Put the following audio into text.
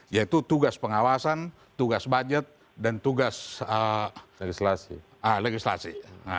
yaitu tugas pengawasan tugas budget dan tugas legislasi